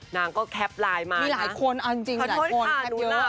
นางก็แคปไลน์มานะคะ